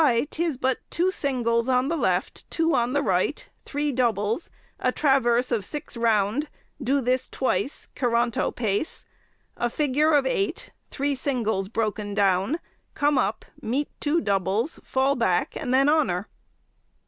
'tis but two singles on the left, two on the right, three doubles, a traverse of six round; do this twice, curranto pace; a figure of eight, three singles broken down, come up, meet two doubles, fall back, and then honour."